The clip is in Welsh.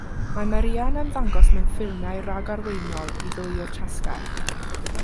Mae Maria yn ymddangos mewn ffilmiau rhagarweiniol i ddwy o'r tasgau.